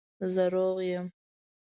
زه روغ یم